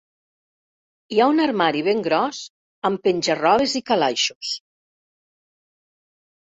Hi ha un armari ben gros, amb penja-robes i calaixos.